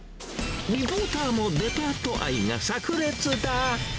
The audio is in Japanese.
リポーターのデパート愛がさく裂だ。